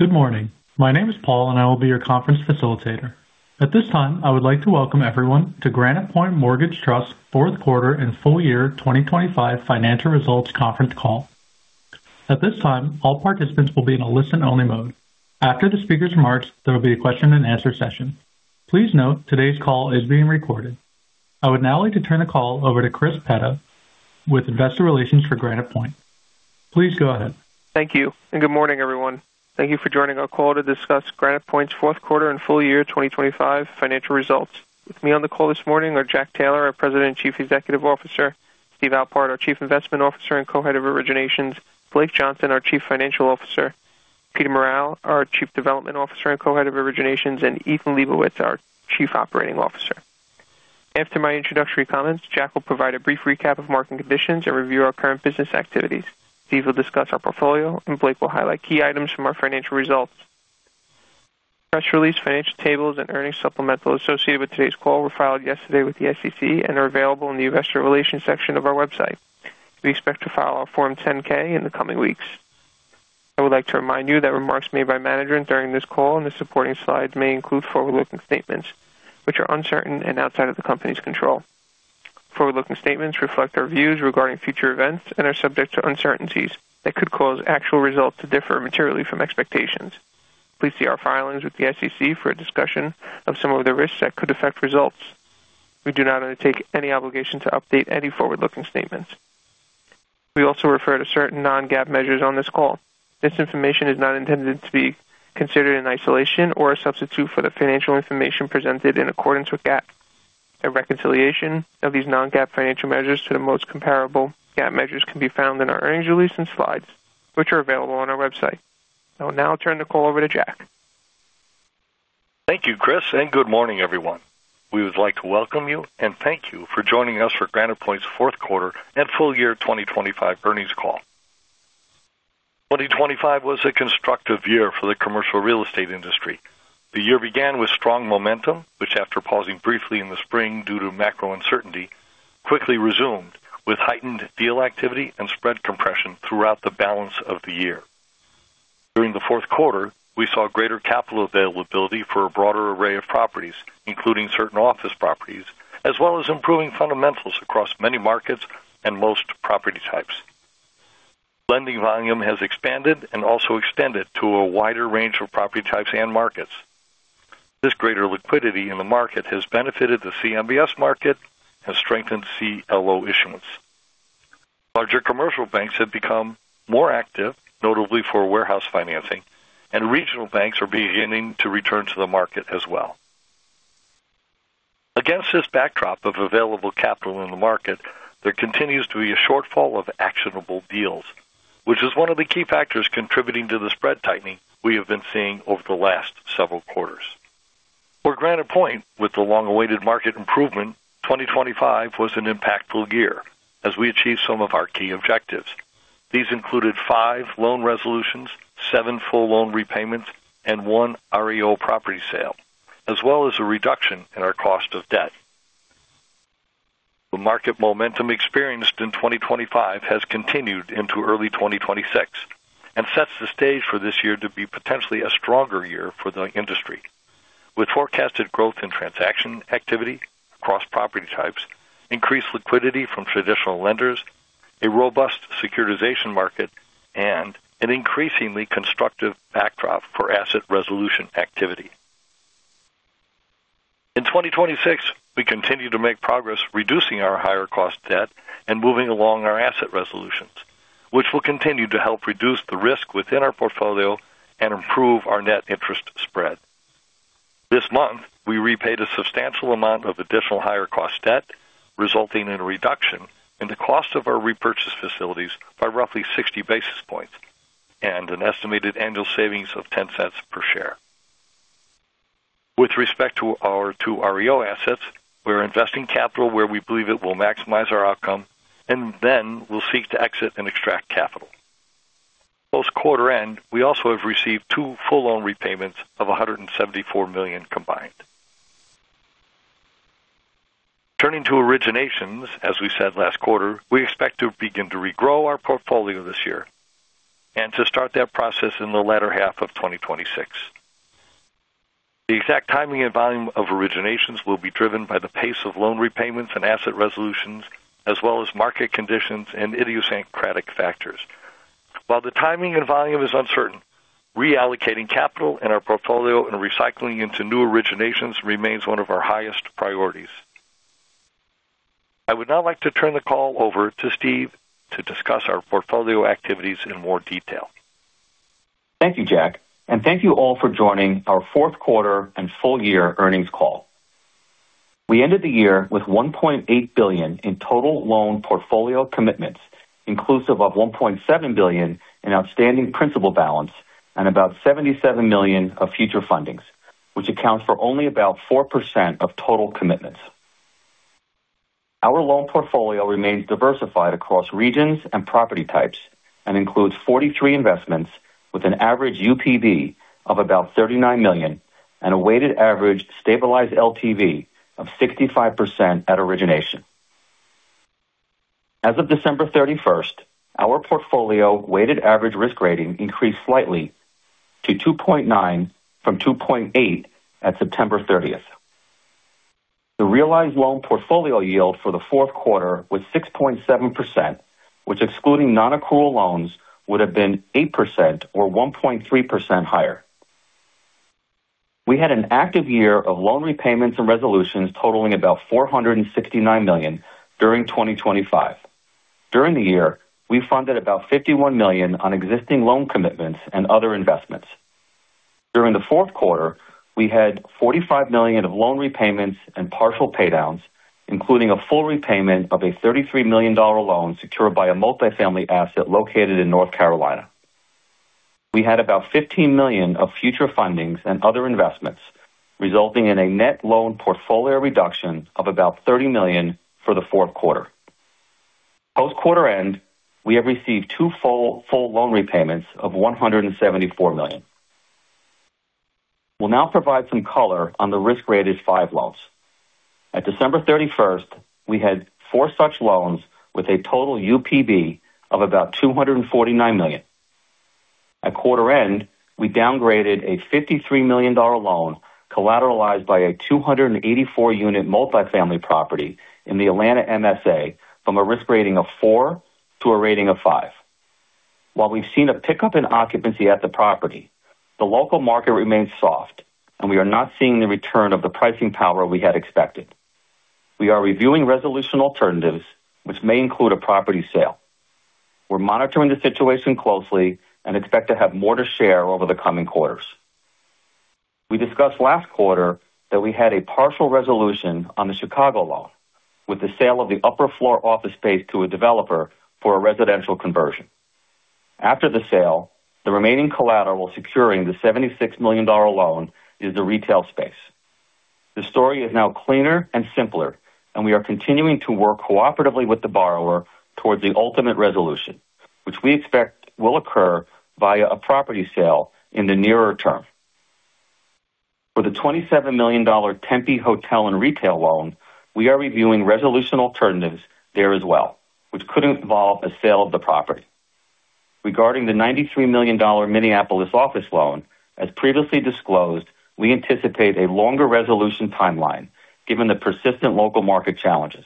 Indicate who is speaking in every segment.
Speaker 1: Good morning. My name is Paul, and I will be your conference facilitator. At this time, I would like to welcome everyone to Granite Point Mortgage Trust fourth quarter and full year 2025 financial results conference call. At this time, all participants will be in a listen-only mode. After the speaker's remarks, there will be a question-and-answer session. Please note today's call is being recorded. I would now like to turn the call over to Chris Petta with Investor Relations for Granite Point. Please go ahead.
Speaker 2: Thank you, and good morning, everyone. Thank you for joining our call to discuss Granite Point's fourth quarter and full year 2025 financial results. With me on the call this morning are Jack Taylor, our President and Chief Executive Officer, Steve Alpart, our Chief Investment Officer and Co-Head of Originations, Blake Johnson, our Chief Financial Officer, Peter Morral, our Chief Development Officer and Co-Head of Originations, and Ethan Lebowitz, our Chief Operating Officer. After my introductory comments, Jack will provide a brief recap of market conditions and review our current business activities. Steve will discuss our portfolio, and Blake will highlight key items from our financial results. Press release, financial tables, and earnings supplemental associated with today's call were filed yesterday with the SEC and are available in the Investor Relations section of our website. We expect to file our Form 10-K in the coming weeks. I would like to remind you that remarks made by management during this call and the supporting slides may include forward-looking statements which are uncertain and outside of the company's control. Forward-looking statements reflect our views regarding future events and are subject to uncertainties that could cause actual results to differ materially from expectations. Please see our filings with the SEC for a discussion of some of the risks that could affect results. We do not undertake any obligation to update any forward-looking statements. We also refer to certain non-GAAP measures on this call. This information is not intended to be considered in isolation or a substitute for the financial information presented in accordance with GAAP. A reconciliation of these non-GAAP financial measures to the most comparable GAAP measures can be found in our earnings release and slides, which are available on our website. I will now turn the call over to Jack.
Speaker 3: Thank you, Chris, and good morning, everyone. We would like to welcome you and thank you for joining us for Granite Point's fourth quarter and full year 2025 earnings call. 2025 was a constructive year for the commercial real estate industry. The year began with strong momentum, which, after pausing briefly in the spring due to macro uncertainty, quickly resumed with heightened deal activity and spread compression throughout the balance of the year. During the fourth quarter, we saw greater capital availability for a broader array of properties, including certain office properties, as well as improving fundamentals across many markets and most property types. Lending volume has expanded and also extended to a wider range of property types and markets. This greater liquidity in the market has benefited the CMBS market and strengthened CLO issuance. Larger commercial banks have become more active, notably for warehouse financing, and regional banks are beginning to return to the market as well. Against this backdrop of available capital in the market, there continues to be a shortfall of actionable deals, which is one of the key factors contributing to the spread tightening we have been seeing over the last several quarters. For Granite Point, with the long-awaited market improvement, 2025 was an impactful year as we achieved some of our key objectives. These included five loan resolutions, seven full loan repayments, and one REO property sale, as well as a reduction in our cost of debt. The market momentum experienced in 2025 has continued into early 2026 and sets the stage for this year to be potentially a stronger year for the industry, with forecasted growth in transaction activity across property types, increased liquidity from traditional lenders, a robust securitization market, and an increasingly constructive backdrop for asset resolution activity. In 2026, we continue to make progress reducing our higher cost debt and moving along our asset resolutions, which will continue to help reduce the risk within our portfolio and improve our net interest spread. This month, we repaid a substantial amount of additional higher cost debt, resulting in a reduction in the cost of our repurchase facilities by roughly 60 basis points and an estimated annual savings of $0.10 per share. With respect to our two REO assets, we're investing capital where we believe it will maximize our outcome and then we'll seek to exit and extract capital. Post-quarter end, we also have received two full loan repayments of $174 million combined. Turning to originations, as we said last quarter, we expect to begin to regrow our portfolio this year and to start that process in the latter half of 2026. The exact timing and volume of originations will be driven by the pace of loan repayments and asset resolutions, as well as market conditions and idiosyncratic factors. While the timing and volume is uncertain, reallocating capital in our portfolio and recycling into new originations remains one of our highest priorities. I would now like to turn the call over to Steve to discuss our portfolio activities in more detail.
Speaker 4: Thank you, Jack, and thank you all for joining our fourth quarter and full year earnings call. We ended the year with $1.8 billion in total loan portfolio commitments, inclusive of $1.7 billion in outstanding principal balance and about $77 million of future fundings, which accounts for only about 4% of total commitments. Our loan portfolio remains diversified across regions and property types and includes 43 investments with an average UPB of about $39 million and a weighted average stabilized LTV of 65% at origination. As of December 31st, our portfolio weighted average risk rating increased slightly to 2.9% from 2.8% at September 30th. The realized loan portfolio yield for the fourth quarter was 6.7%, which excluding nonaccrual loans, would have been 8% or 1.3% higher. We had an active year of loan repayments and resolutions totaling about $469 million during 2025. During the year, we funded about $51 million on existing loan commitments and other investments. During the fourth quarter, we had $45 million of loan repayments and partial pay downs, including a full repayment of a $33 million loan secured by a multifamily asset located in North Carolina. We had about $15 million of future fundings and other investments, resulting in a net loan portfolio reduction of about $30 million for the fourth quarter. Post quarter end, we have received two full loan repayments of $174 million. We'll now provide some color on the risk-rated five loans. At December 31st, we had four such loans with a total UPB of about $249 million. At quarter end, we downgraded a $53 million loan collateralized by a 284-unit multifamily property in the Atlanta MSA from a risk rating of 4 to a rating of 5. While we've seen a pickup in occupancy at the property, the local market remains soft and we are not seeing the return of the pricing power we had expected. We are reviewing resolution alternatives, which may include a property sale. We're monitoring the situation closely and expect to have more to share over the coming quarters. We discussed last quarter that we had a partial resolution on the Chicago loan, with the sale of the upper floor office space to a developer for a residential conversion. After the sale, the remaining collateral securing the $76 million loan is the retail space. The story is now cleaner and simpler, and we are continuing to work cooperatively with the borrower towards the ultimate resolution, which we expect will occur via a property sale in the nearer term. For the $27 million Tempe hotel and retail loan, we are reviewing resolution alternatives there as well, which could involve a sale of the property. Regarding the $93 million Minneapolis office loan, as previously disclosed, we anticipate a longer resolution timeline given the persistent local market challenges.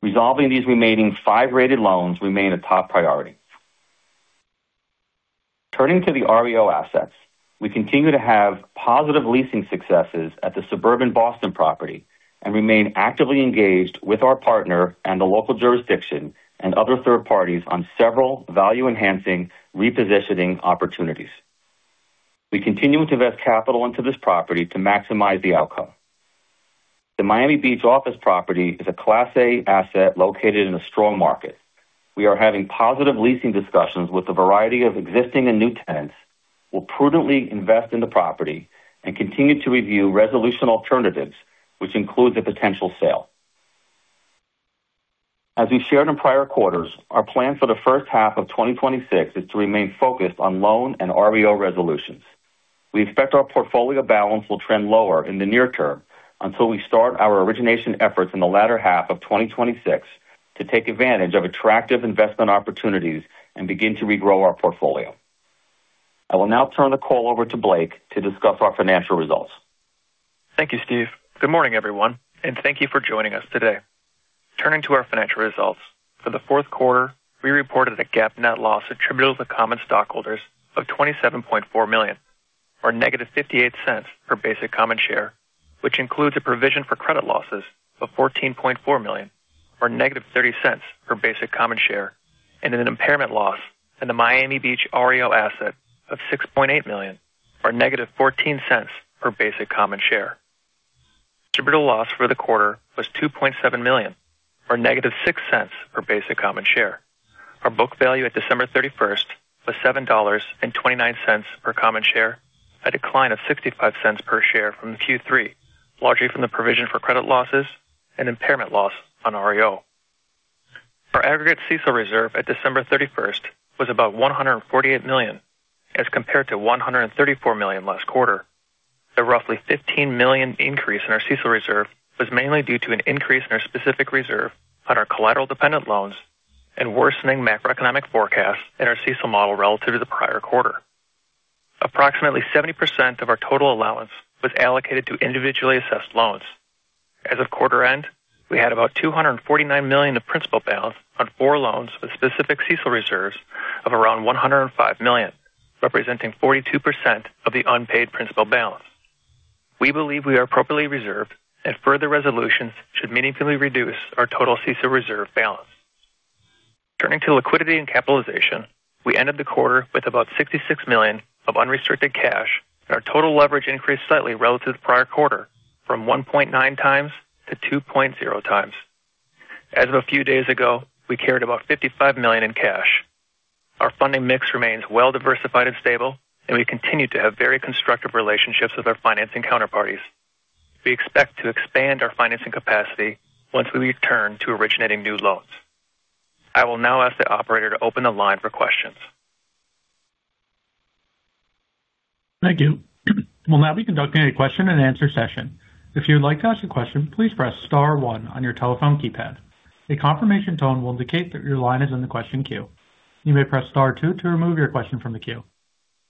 Speaker 4: Resolving these remaining five rated loans remain a top priority. Turning to the REO assets, we continue to have positive leasing successes at the suburban Boston property and remain actively engaged with our partner and the local jurisdiction and other third parties on several value-enhancing repositioning opportunities. We continue to invest capital into this property to maximize the outcome. The Miami Beach office property is a Class A asset located in a strong market. We are having positive leasing discussions with a variety of existing and new tenants. We'll prudently invest in the property and continue to review resolution alternatives, which includes a potential sale. As we shared in prior quarters, our plan for the first half of 2026 is to remain focused on loan and REO resolutions. We expect our portfolio balance will trend lower in the near term until we start our origination efforts in the latter half of 2026 to take advantage of attractive investment opportunities and begin to regrow our portfolio. I will now turn the call over to Blake to discuss our financial results.
Speaker 5: Thank you, Steve. Good morning, everyone, and thank you for joining us today. Turning to our financial results. For the fourth quarter, we reported a GAAP net loss attributable to common stockholders of $27.4 million, or -$0.58 per basic common share, which includes a provision for credit losses of $14.4 million, or -$0.30 per basic common share, and an impairment loss in the Miami Beach REO asset of $6.8 million, or -$0.14 per basic common share. Attributable loss for the quarter was $2.7 million or -$0.06 per basic common share. Our book value at December 31st was $7.29 per common share, a decline of $0.65 per share from Q3, largely from the provision for credit losses and impairment loss on REO. Our aggregate CECL reserve at December 31st was about $148 million, as compared to $134 million last quarter. The roughly $15 million increase in our CECL reserve was mainly due to an increase in our specific reserve on our collateral-dependent loans and worsening macroeconomic forecasts in our CECL model relative to the prior quarter. Approximately 70% of our total allowance was allocated to individually assessed loans. As of quarter end, we had about $249 million of principal balance on four loans, with specific CECL reserves of around $105 million, representing 42% of the unpaid principal balance. We believe we are appropriately reserved and further resolutions should meaningfully reduce our total CECL reserve balance. Turning to liquidity and capitalization, we ended the quarter with about $66 million of unrestricted cash, and our total leverage increased slightly relative to the prior quarter from 1.9x-2.0x. As of a few days ago, we carried about $55 million in cash. Our funding mix remains well diversified and stable, and we continue to have very constructive relationships with our financing counterparties. We expect to expand our financing capacity once we return to originating new loans. I will now ask the operator to open the line for questions.
Speaker 1: Thank you. We'll now be conducting a question-and-answer session. If you'd like to ask a question, please press star one on your telephone keypad. A confirmation tone will indicate that your line is in the question queue. You may press star two to remove your question from the queue.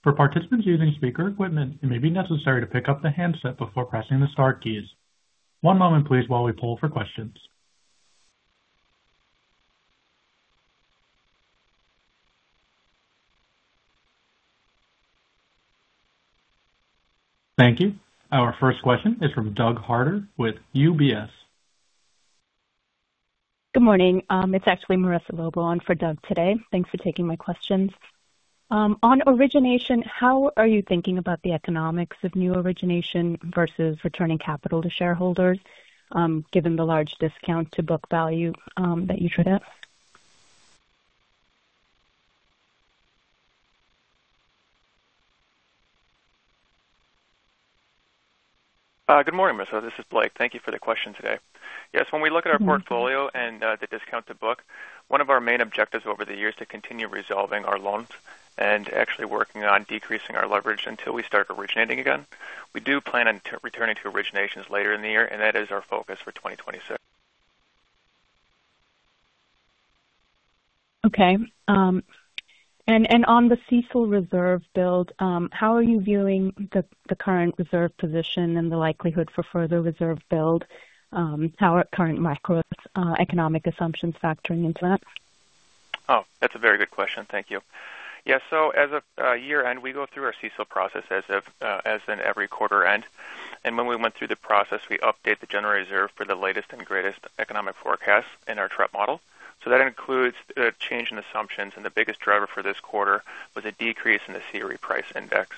Speaker 1: For participants using speaker equipment, it may be necessary to pick up the handset before pressing the star keys. One moment please, while we poll for questions. Thank you. Our first question is from Doug Harter with UBS.
Speaker 6: Good morning. It's actually Marisa Lobo on for Doug today. Thanks for taking my questions. On origination, how are you thinking about the economics of new origination versus returning capital to shareholders, given the large discount to book value, that you trade at?
Speaker 5: Good morning, Marissa. This is Blake. Thank you for the question today. Yes, when we look at our portfolio and the discount to book, one of our main objectives over the years is to continue resolving our loans and actually working on decreasing our leverage until we start originating again. We do plan on returning to originations later in the year, and that is our focus for 2026.
Speaker 6: Okay. And on the CECL reserve build, how are you viewing the current reserve position and the likelihood for further reserve build? How are current macro economic assumptions factoring into that?
Speaker 5: Oh, that's a very good question. Thank you. Yeah, so as of year-end, we go through our CECL process as of as in every quarter end. When we went through the process, we update the general reserve for the latest and greatest economic forecast in our Trepp model. That includes the change in assumptions, and the biggest driver for this quarter was a decrease in the CRE price index.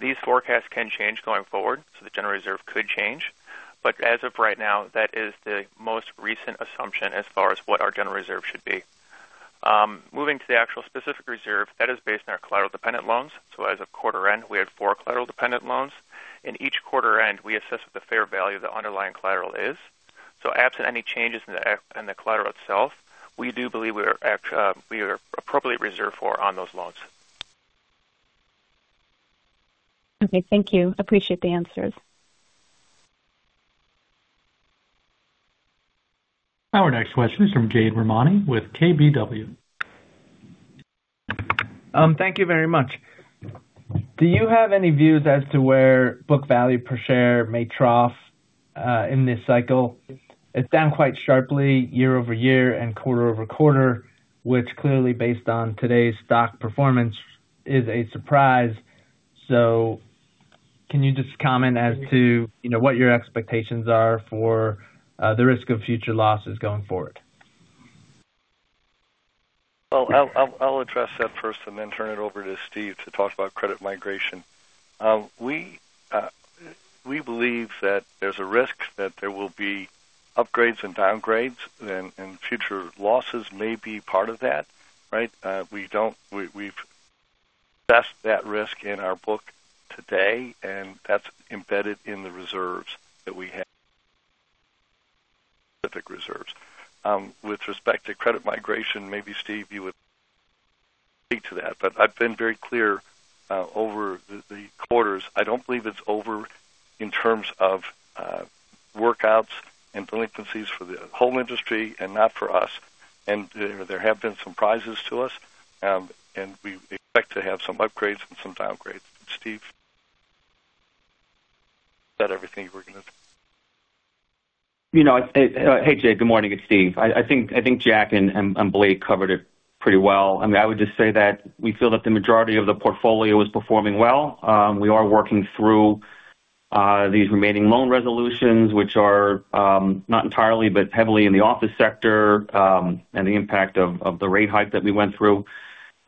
Speaker 5: These forecasts can change going forward, so the general reserve could change. As of right now, that is the most recent assumption as far as what our general reserve should be. Moving to the actual specific reserve, that is based on our collateral-dependent loans. As of quarter end, we had four collateral-dependent loans. In each quarter end, we assess what the fair value of the underlying collateral is. Absent any changes in the collateral itself, we do believe we are appropriately reserved for on those loans.
Speaker 6: Okay, thank you. Appreciate the answers.
Speaker 1: Our next question is from Jade Rahmani with KBW.
Speaker 7: Thank you very much. Do you have any views as to where book value per share may trough in this cycle? It's down quite sharply year-over-year and quarter-over-quarter, which clearly, based on today's stock performance, is a surprise. So can you just comment as to, you know, what your expectations are for the risk of future losses going forward?
Speaker 3: Well, I'll address that first and then turn it over to Steve to talk about credit migration. We believe that there's a risk that there will be upgrades and downgrades, and future losses may be part of that, right? We don't, we've assessed that risk in our book today, and that's embedded in the reserves that we have. Specific reserves. With respect to credit migration, maybe Steve, you would speak to that, but I've been very clear over the quarters. I don't believe it's over in terms of workouts and delinquencies for the whole industry and not for us. And there have been some surprises to us, and we expect to have some upgrades and some downgrades. Steve, is that everything you were going to?
Speaker 4: You know, hey, Jade, good morning. It's Steve. I think Jack and Blake covered it pretty well. I mean, I would just say that we feel that the majority of the portfolio is performing well. We are working through these remaining loan resolutions, which are not entirely, but heavily in the office sector, and the impact of the rate hike that we went through.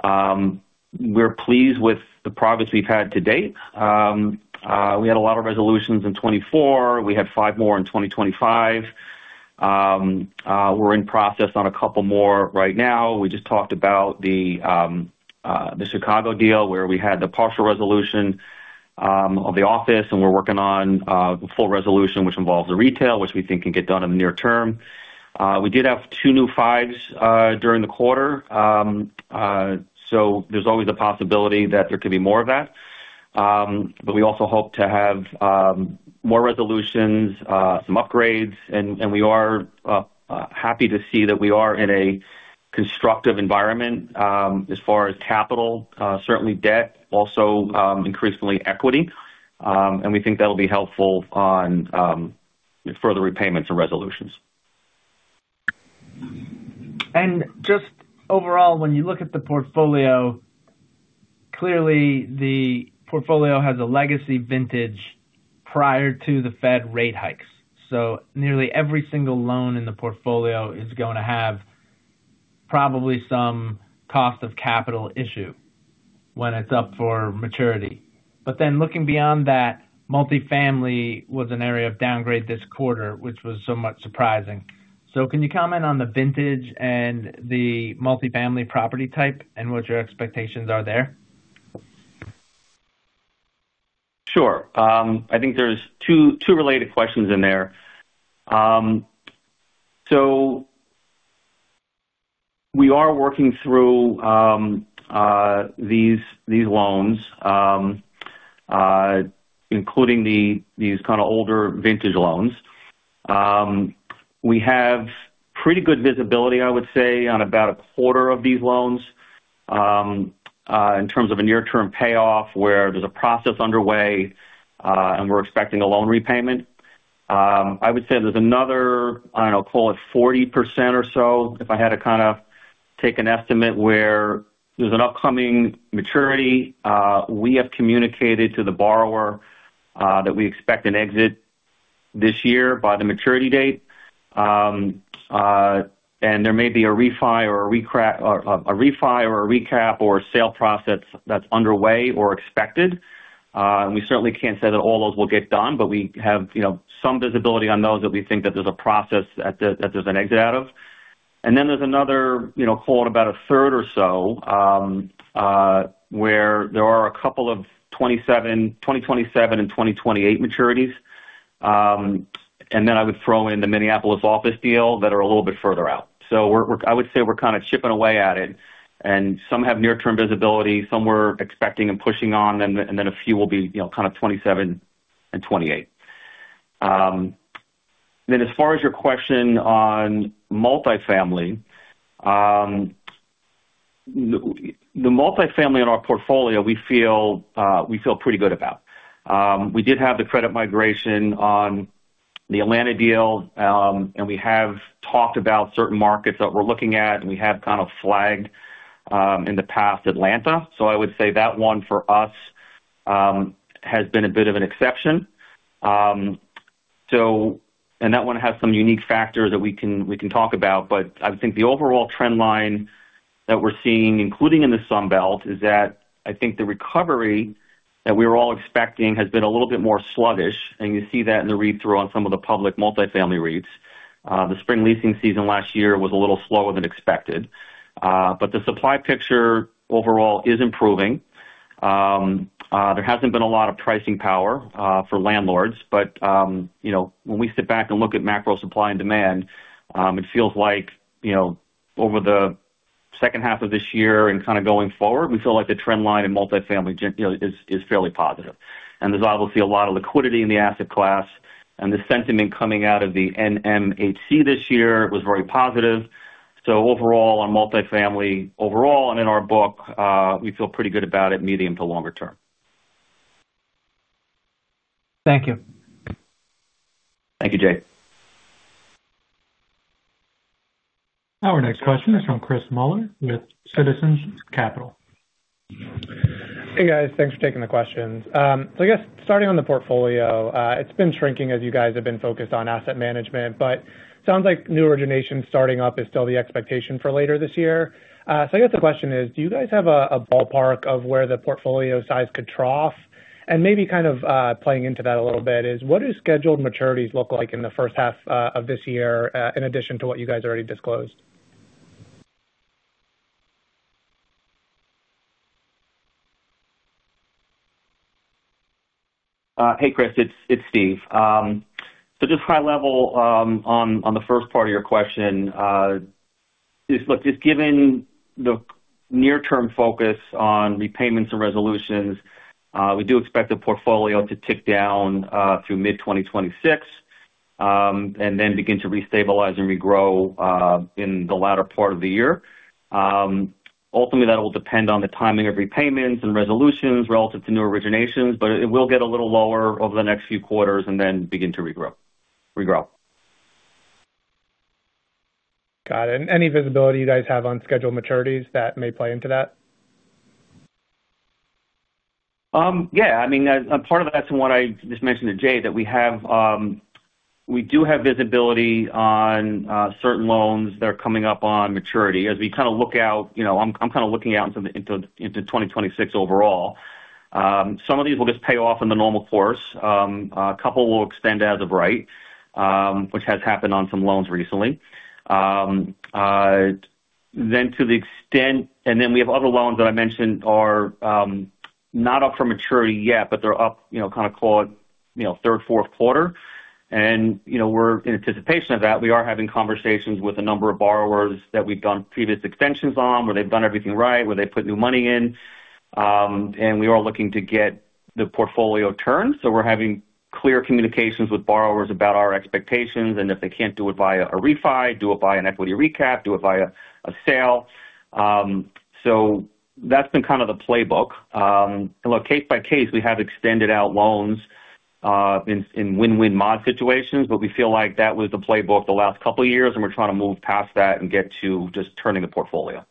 Speaker 4: We're pleased with the progress we've had to date. We had a lot of resolutions in 2024. We had 5 more in 2025. We're in process on a couple more right now. We just talked about the Chicago deal, where we had the partial resolution of the office, and we're working on the full resolution, which involves the retail, which we think can get done in the near term. We did have two new fives during the quarter. So there's always a possibility that there could be more of that. But we also hope to have more resolutions, some upgrades, and we are happy to see that we are in a constructive environment as far as capital, certainly debt, also increasingly equity. And we think that'll be helpful on further repayments and resolutions.
Speaker 7: Just overall, when you look at the portfolio, clearly the portfolio has a legacy vintage prior to the Fed rate hikes. So nearly every single loan in the portfolio is going to have probably some cost of capital issue when it's up for maturity. But then looking beyond that, multifamily was an area of downgrade this quarter, which was somewhat surprising. So can you comment on the vintage and the multifamily property type and what your expectations are there?
Speaker 4: Sure. I think there's two related questions in there. We are working through these loans, including these kind of older vintage loans. We have pretty good visibility, I would say, on about a quarter of these loans, in terms of a near-term payoff, where there's a process underway, and we're expecting a loan repayment. I would say there's another, I don't know, call it 40% or so, if I had to kind of take an estimate where there's an upcoming maturity. We have communicated to the borrower, that we expect an exit this year by the maturity date. And there may be a refi or a recap or a sale process that's underway or expected. And we certainly can't say that all those will get done, but we have, you know, some visibility on those that we think that there's a process that there's an exit out of. And then there's another, you know, call it about a third or so, where there are a couple of 2027-2028 maturities. And then I would throw in the Minneapolis office deal that are a little bit further out. So we're—I would say we're kind of chipping away at it, and some have near-term visibility, some we're expecting and pushing on, and then a few will be, you know, kind of 2027 and 2028. Then as far as your question on multifamily, the multifamily in our portfolio, we feel we feel pretty good about. We did have the credit migration on the Atlanta deal, and we have talked about certain markets that we're looking at, and we have kind of flagged, in the past, Atlanta. So I would say that one for us has been a bit of an exception. So and that one has some unique factors that we can, we can talk about. But I think the overall trend line that we're seeing, including in the Sun Belt, is that I think the recovery that we were all expecting has been a little bit more sluggish, and you see that in the read-through on some of the public multifamily REITs. The spring leasing season last year was a little slower than expected, but the supply picture overall is improving. There hasn't been a lot of pricing power for landlords, but you know, when we sit back and look at macro supply and demand, it feels like you know, over the second half of this year and kind of going forward, we feel like the trend line in multifamily you know, is fairly positive. And there's obviously a lot of liquidity in the asset class, and the sentiment coming out of the NMHC this year was very positive. So overall, on multifamily, overall and in our book, we feel pretty good about it, medium to longer term.
Speaker 7: Thank you.
Speaker 4: Thank you, Jay.
Speaker 1: Our next question is from Chris Muller with Citizens JMP.
Speaker 8: Hey, guys. Thanks for taking the questions. So I guess starting on the portfolio, it's been shrinking as you guys have been focused on asset management, but sounds like new origination starting up is still the expectation for later this year. So I guess the question is: Do you guys have a ballpark of where the portfolio size could trough? And maybe kind of playing into that a little bit is, what do scheduled maturities look like in the first half of this year, in addition to what you guys already disclosed?
Speaker 4: Hey, Chris, it's Steve. So just high level, on the first part of your question, look, just given the near-term focus on repayments and resolutions, we do expect the portfolio to tick down, through mid-2026, and then begin to restabilize and regrow, in the latter part of the year. Ultimately, that will depend on the timing of repayments and resolutions relative to new originations, but it will get a little lower over the next few quarters and then begin to regrow.
Speaker 8: Got it. And any visibility you guys have on scheduled maturities that may play into that?
Speaker 4: Yeah, I mean, part of that's what I just mentioned to Jay, that we have, we do have visibility on certain loans that are coming up on maturity. As we kind of look out, you know, I'm kind of looking out into 2026 overall. Some of these will just pay off in the normal course. A couple will extend outright, which has happened on some loans recently. And then we have other loans that I mentioned are not up for maturity yet, but they're up, you know, kind of call it, you know, third, fourth quarter. And, you know, we're in anticipation of that, we are having conversations with a number of borrowers that we've done previous extensions on, where they've done everything right, where they put new money in. We are looking to get the portfolio turned, so we're having clear communications with borrowers about our expectations, and if they can't do it via a refi, do it by an equity recap, do it via a sale. That's been kind of the playbook. Look, case by case, we have extended out loans in win-win mod situations, but we feel like that was the playbook the last couple of years, and we're trying to move past that and get to just turning the portfolio.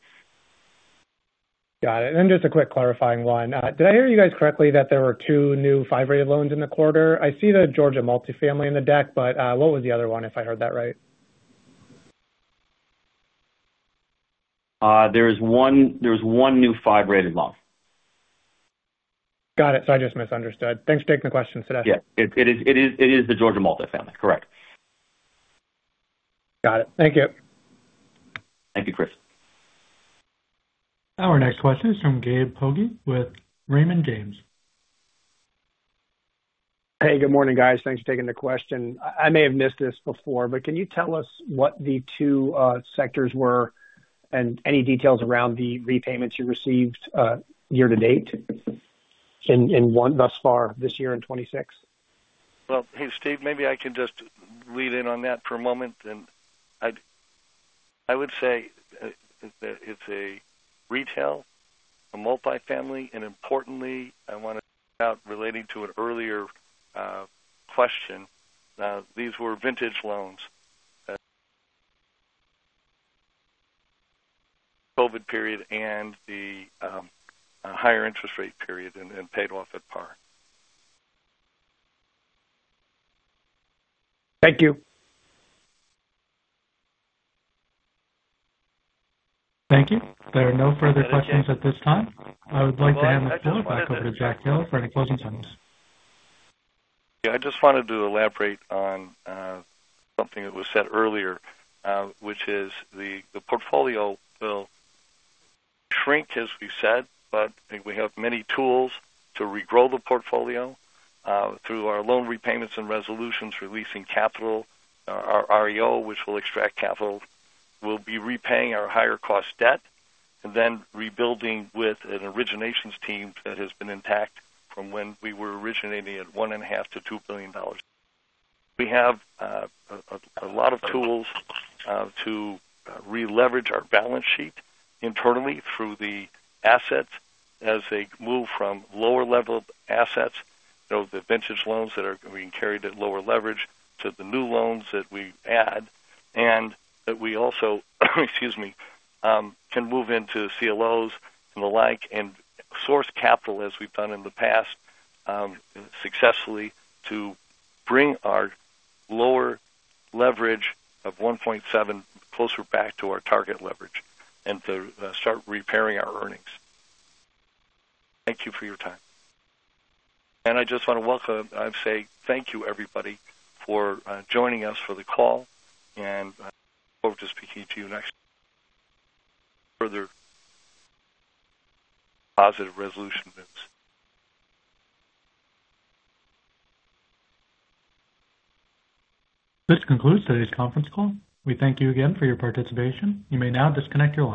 Speaker 8: Got it. And then just a quick clarifying one. Did I hear you guys correctly, that there were two new five-rated loans in the quarter? I see the Georgia multifamily in the deck, but what was the other one, if I heard that right?
Speaker 4: There's one new five-rated loan.
Speaker 8: Got it. So I just misunderstood. Thanks for taking the question today.
Speaker 4: Yeah, it is the Georgia multifamily. Correct.
Speaker 8: Got it. Thank you.
Speaker 4: Thank you, Chris.
Speaker 1: Our next question is from Gabe Poggi with Raymond James.
Speaker 9: Hey, good morning, guys. Thanks for taking the question. I may have missed this before, but can you tell us what the two sectors were and any details around the repayments you received year-to-date in Q1 thus far this year in 2026?
Speaker 3: Well, hey, Steve, maybe I can just lead in on that for a moment, and I would say that it's a retail, a multifamily, and importantly, I want to point out relating to an earlier question. These were vintage loans. COVID period and the higher interest rate period and paid off at par.
Speaker 9: Thank you.
Speaker 1: Thank you. There are no further questions at this time. I would like to hand the call back over to Jack Taylor for any closing comments.
Speaker 3: Yeah, I just wanted to elaborate on something that was said earlier, which is the portfolio will shrink, as we said, but we have many tools to regrow the portfolio through our loan repayments and resolutions, releasing capital, our REO, which will extract capital. We'll be repaying our higher cost debt and then rebuilding with an originations team that has been intact from when we were originating at $1.5 billion-$2 billion. We have a lot of tools to re-leverage our balance sheet internally through the assets as they move from lower level assets, you know, the vintage loans that are being carried at lower leverage to the new loans that we add and that we also, excuse me, can move into CLOs and the like, and source capital, as we've done in the past, successfully, to bring our lower leverage of 1.7% closer back to our target leverage and to start repairing our earnings. Thank you for your time. I just want to welcome and say thank you, everybody, for joining us for the call, and I look forward to speaking to you next- further positive resolution news.
Speaker 1: This concludes today's conference call. We thank you again for your participation. You may now disconnect your line.